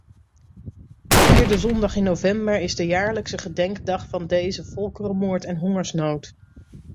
De vierde zondag in november is de jaarlijkse gedenkdag van deze volkerenmoord en hongersnood.